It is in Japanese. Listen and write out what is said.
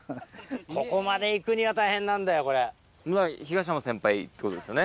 ここまで行くには大変なんだよこれ。ってことですよね。